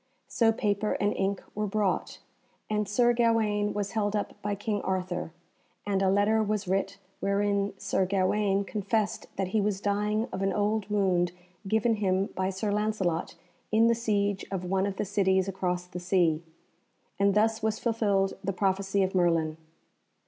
So paper and ink were brought, and Sir Gawaine was held up by King Arthur, and a letter was writ wherein Sir Gawaine confessed that he was dying of an old wound given him by Sir Lancelot in the siege of one of the cities across the sea, and thus was fulfilled the prophecy of Merlin.